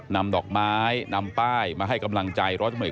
นำดอกไม้นำป้ายมาให้กำลังใจ